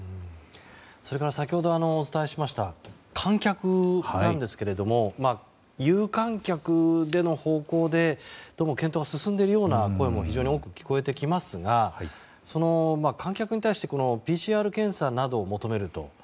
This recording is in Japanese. それから、先ほどお伝えしました観客なんですけれども有観客での方向でどうも検討が進んでいるような声も非常に多く聞かれていますが観客に対してＰＣＲ検査などを求めると。